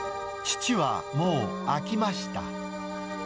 父はもう飽きました。